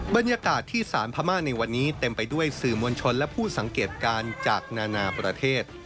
บรรยากาศที่ศาลพม่าในวันนี้เต็มไปด้วยสื่อมวลชนและผู้สังเกตการณ์จากนานาประเทศ